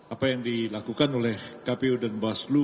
apa yang dilakukan oleh kpu dan bawaslu